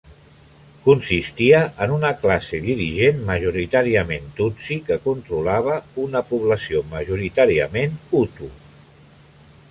Consistia en una classe dirigent majoritàriament tutsi que controlava una població majoritàriament hutu.